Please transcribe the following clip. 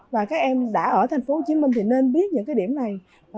và các em đã ở thành phố hồ chí minh thì nên biết những cái điểm này